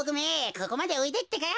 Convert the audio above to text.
ここまでおいでってか。